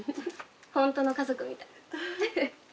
本当の家族みたいフフッ」